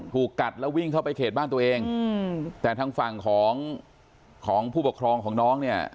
ถูกกัดแล้ววิ่งเข้าไปเขตบ้านตัวเองอืมแต่ทางฝั่งของของผู้ปกครองของน้องเนี่ย